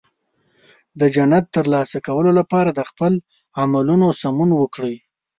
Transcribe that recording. د جنت ترلاسه کولو لپاره د خپل عملونو سمون وکړئ.